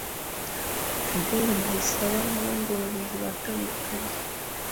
Fidele NDAYISABA n abandi bayobozi batandukanye